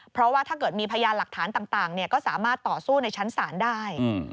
เพราะว่าถ้าเกิดมีพยานหลักฐานต่างก็สามารถต่อสู้ในชั้นศาลได้